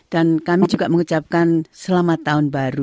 dan kami juga mengucapkan selamat tahun baru